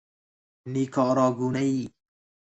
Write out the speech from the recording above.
نیکاراگوئه ای